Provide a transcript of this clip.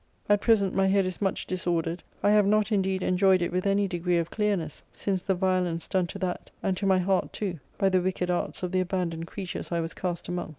At present, my head is much disordered. I have not indeed enjoyed it with any degree of clearness, since the violence done to that, and to my heart too, by the wicked arts of the abandoned creatures I was cast among.